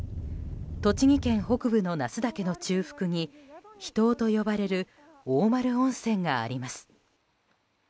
栃木県北部の那須岳の中腹に秘湯と呼ばれる大丸温泉があります。